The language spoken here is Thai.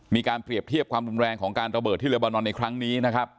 มีการเปรียบเทียบความรุนแรงของการระเบิดที่เรือบานอนในครั้งนี้นะครับ